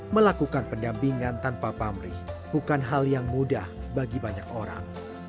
melakukan pendampingan tanpa pamrih bukan hal yang mudah bagi banyak orang